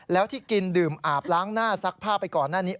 แล้วที่กินดื่มอาบล้างหน้าซักผ้าไปก่อนหน้านี้